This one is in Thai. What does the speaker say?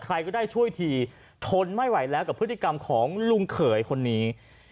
ใครก็ได้ช่วยทีทนไม่ไหวแล้วกับพฤติกรรมของลุงเขยคนนี้